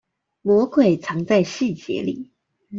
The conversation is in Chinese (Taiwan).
魔鬼藏在細節裡